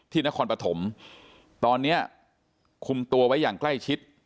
นครปฐมตอนนี้คุมตัวไว้อย่างใกล้ชิด